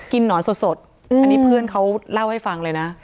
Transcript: หนอนสดอันนี้เพื่อนเขาเล่าให้ฟังเลยนะ